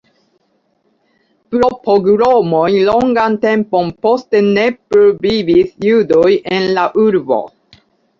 Pro pogromoj longan tempon poste ne plu vivis judoj en la urbo.